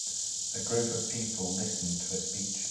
A group of people listen to a speech.